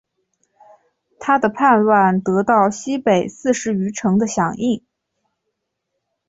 他的叛乱得到西北四十余城的响应。